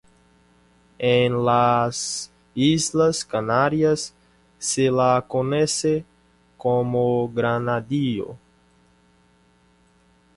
En las Islas Canarias se la conoce como granadillo.